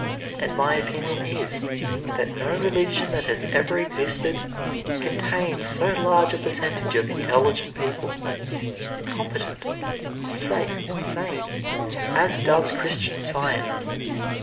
And my opinion is, that no religion that has ever existed contained so large a percentage of intelligent people, competent, safe and sane, as does Christian Science.